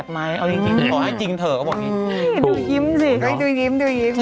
ดูยิ้มสิเดี๋ยวดูยิ้ม